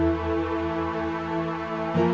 jangan lupa bang eri